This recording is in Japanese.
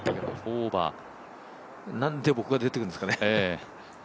なんで僕が出てくるんですかね。